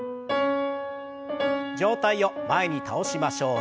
上体を前に倒しましょう。